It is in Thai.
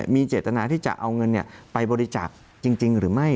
มีเจตนาที่จะเอาเงินไปบริจาคจริงหรือไม่